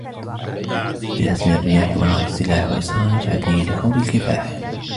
بعزم الرياح ونار السلاح وإصرار شعبي لخوض الكفاح